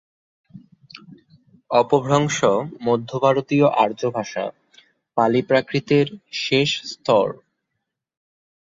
অপভ্রংশ মধ্যভারতীয় আর্যভাষা পালি-প্রাকৃতের শেষ স্তর।